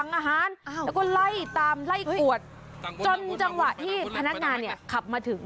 แล้วก็ไล่ตามไล่กุหัวจนจังหวะที่พนักงานขับมาถึง